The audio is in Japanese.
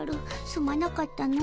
すまなかったの。